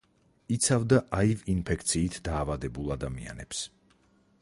იცავდა აივ ინფექციით დაავადებულ ადამიანებს.